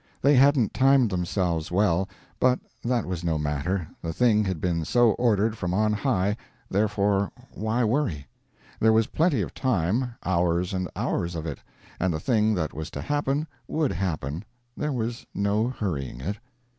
They hadn't timed themselves well, but that was no matter the thing had been so ordered from on high, therefore why worry? There was plenty of time, hours and hours of it, and the thing that was to happen would happen there was no hurrying it.